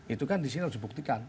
itu kan di sini harus dibuktikan